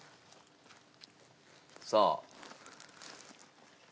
さあ。